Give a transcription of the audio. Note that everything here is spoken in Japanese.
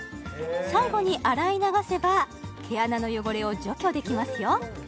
最後に洗い流せば毛穴の汚れを除去できますよ